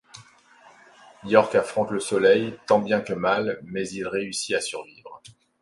York affronte le soleil tant bien que mal mais il réussit à survivre.